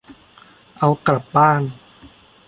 เอากลับบ้าน